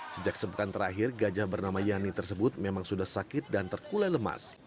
sejak sepekan terakhir gajah bernama yani tersebut memang sudah sakit dan terkulai lemas